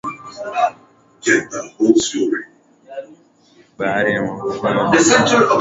Bahari ni mapafu ya ulimwengu wetu ikitoa nusu ya oksijeni tunayopumua